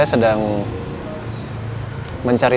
dari buah innocence